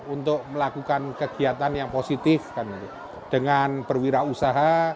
untuk melakukan kegiatan yang positif dengan perwirausaha